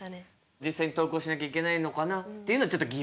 実際に登校しなきゃいけないのかなというのはちょっと疑問。